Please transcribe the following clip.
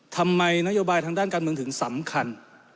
ทำไมนโยบายทางด้านการเมืองถึงสำคัญ